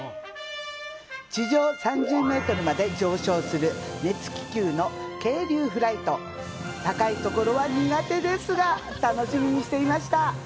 地上３０ｍまで上昇する熱気球の係留フライト高い所は苦手ですが楽しみにしていました